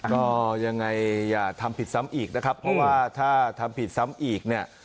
ก็ยังไงอย่าทำผิดซ้ำอีกนะครับเพราะว่าถ้าทำผิดซ้ำอีกเนี่ย